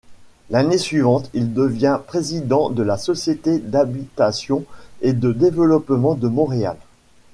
L'année suivante, il devient président de la Société d'habitation et de développement de Montréal.